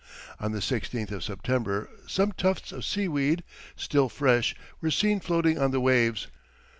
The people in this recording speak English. On the 16th of September some tufts of seaweed, still fresh, were seen floating on the waves.